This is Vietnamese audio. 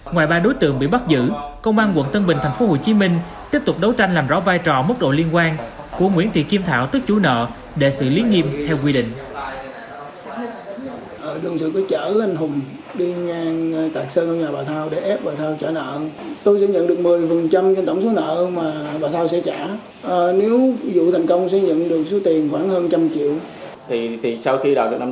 ngoài ba đối tượng bị bắt giữ công an quận tân bình tp hcm tiếp tục đấu tranh làm rõ vai trò mức độ liên quan của nguyễn thị kim thảo tức chú nợ để xử lý nghiêm theo quy định